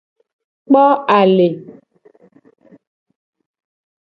Kpo ale.